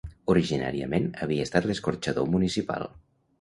Originàriament havia estat l'escorxador municipal.